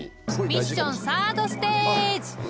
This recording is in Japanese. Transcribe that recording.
ミッションサードステージ。